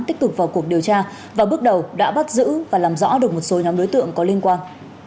tích cực vào cuộc điều tra và bước đầu đã bắt giữ và làm rõ được một số nhóm đối tượng có liên quan